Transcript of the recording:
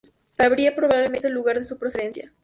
Calabria, probablemente, es el lugar de su procedencia.